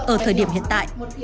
ở thời điểm hiện tại